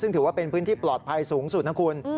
ซึ่งถือว่าเป็นพื้นที่ปลอดภัยสูงสุดนะคุณ